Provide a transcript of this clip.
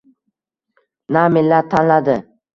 Na millat tanladi